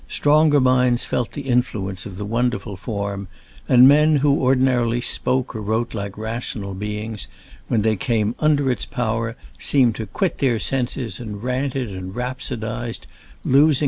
Stronger minds felt the influence of the wonderful form, and men who ordinarily spoke or wrote like rational beings, when they came under its power seemed to quit their senses and ranted and rhapsodized, losing for a time all common forms of speech.